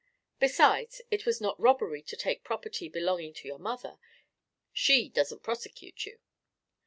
Besides, it is not robbery to take property belonging to your mother: she doesn't prosecute you.